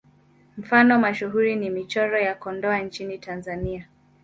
Mfano mashuhuri ni Michoro ya Kondoa nchini Tanzania.